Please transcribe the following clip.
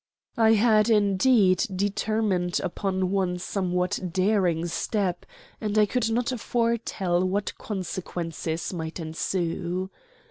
I had, indeed, determined upon one somewhat daring step, and I could not foretell what consequences might ensue.